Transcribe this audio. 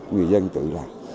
người dân tự làm